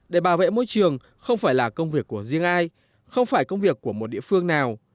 để bảo vệ môi trường không phải là công việc của riêng ai không phải công việc của một địa phương nào